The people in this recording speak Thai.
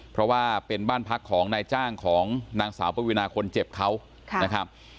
เพราะว่าเป็นบ้านพักของนายจ้างของนางสาวปวินาคนเจ็บเขานะครับ